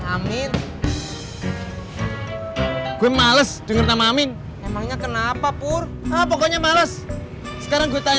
atis kacang periksa ada